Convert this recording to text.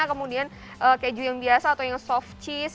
kemudian keju yang biasa atau yang soft cheese